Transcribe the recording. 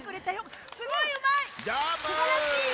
すばらしい！